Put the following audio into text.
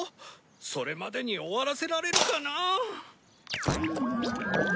それまでに終わらせられるかな。